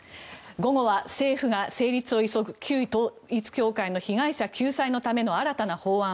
午後は政府が成立を急ぐ旧統一教会の被害者救済のための新たな法案。